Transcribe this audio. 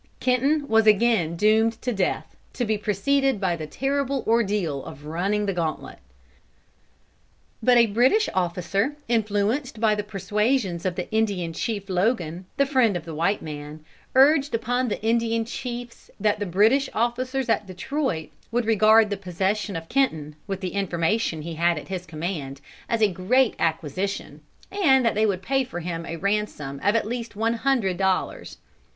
Kenton was again doomed to death, to be preceded by the terrible ordeal of running the gauntlet. But a British officer, influenced by the persuasions of the Indian chief Logan, the friend of the white man, urged upon the Indian chiefs that the British officers at Detroit would regard the possession of Kenton, with the information he had at his command, as a great acquisition, and that they would pay for him a ransom of at least one hundred dollars.